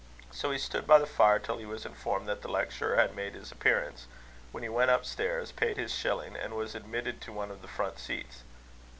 So he stood by the fire till he was informed that the lecturer had made his appearance, when he went up stairs, paid his shilling, and was admitted to one of the front seats.